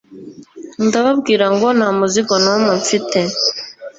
ndababwirango nta muzigo n’umwe mfite